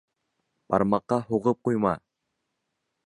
Бармаҡҡа һуғып ҡуйма.